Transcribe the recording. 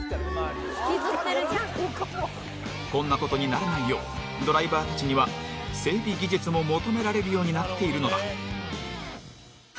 引きずってるじゃん。こんなことにならないようドライバーたちには整備技術も求められるようになっているのだ。